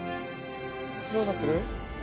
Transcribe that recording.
どうなってる？